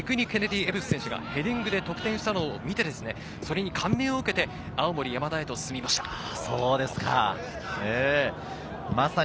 ケネディエブス選手がヘディングで得点したのを見て、それで感銘を受けて、青森山田へと進みました。